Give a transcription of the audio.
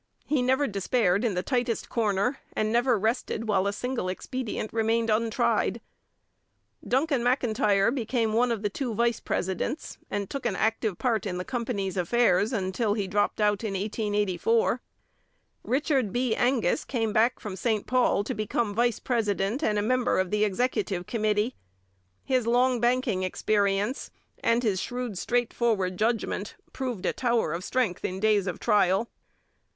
He never despaired in the tightest corner, and never rested while a single expedient remained untried. Duncan M'Intyre became one of the two vice presidents, and took an active part in the company's affairs until he dropped out in 1884. Richard B. Angus came back from St Paul to become vice president and a member of the executive committee. His long banking experience and his shrewd, straightforward judgment proved a tower of strength in days of trial.